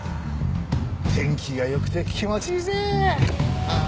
天気が良くて気持ちいいぜ！